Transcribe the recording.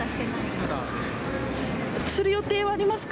する予定はありますか？